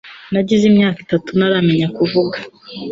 Nagize imyaka itatu ntaramenya kuvuga.